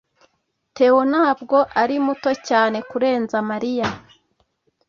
theo ntabwo ari muto cyane kurenza mariya